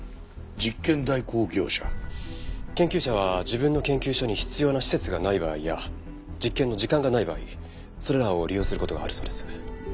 研究者は自分の研究所に必要な施設がない場合や実験の時間がない場合それらを利用する事があるそうです。